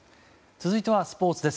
続いてはスポーツです。